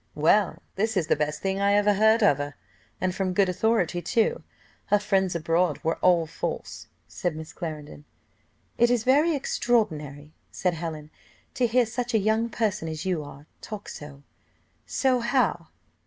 "Well, this is the best thing I ever heard of her, and from good authority too; her friends abroad were all false," said Miss Clarendon. "It is very extraordinary," said Helen, "to hear such a young person as you are talk so "So how?"